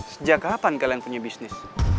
sejak kapan kalian punya bisnis